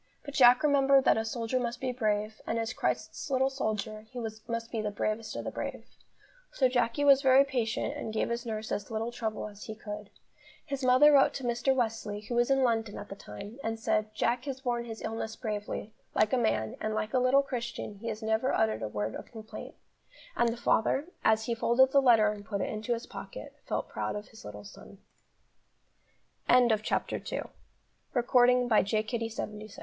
But Jack remembered that a soldier must be brave, and, as Christ's little soldier, he must be the bravest of the brave. So Jacky was very patient, and gave his nurse as little trouble as he could. His mother wrote to Mr. Wesley, who was in London at the time, and said, "Jack has borne his illness bravely, like a man, and like a little Christian, he has never uttered a word of complaint;" and the father, as he folded the letter and put it into his pocket, felt proud of his little son. CHAPTER III. Jacky at boarding school.